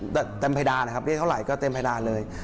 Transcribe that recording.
แต่เต็มภายดานะครับเรียกเท่าไรก็เต็มภายดาเลย